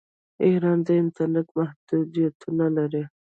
ایران د انټرنیټ محدودیتونه لري.